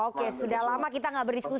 oke sudah lama kita nggak berbicara